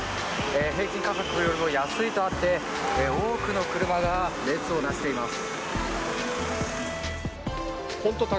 平均価格よりも安いとあって多くの車が列を成しています。